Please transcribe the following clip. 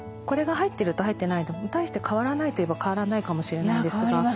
これが入ってると入ってないのと大して変わらないといえば変わらないかもしれないですが。